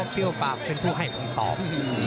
เปรี้ยวปากเป็นผู้ให้คำตอบ